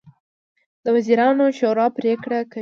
د وزیرانو شورا پریکړې کوي